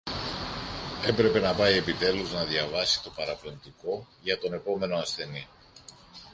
έπρεπε να πάει επιτέλους να διαβάσει το παραπεμπτικό για τον επόμενο ασθενή